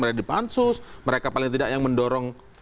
berada di pansus mereka paling tidak yang mendorong